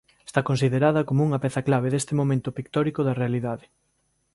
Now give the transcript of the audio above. Está considerada como unha peza clave deste momento pictórico da realidade.